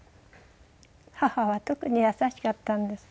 母は特に優しかったんです。